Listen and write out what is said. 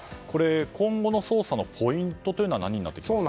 今後の捜査のポイントは何になってくるんですか。